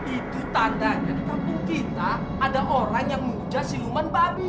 itu tandanya di kampung kita ada orang yang mengujah siluman babi